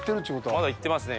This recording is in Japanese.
まだ行ってますね。